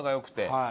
はい。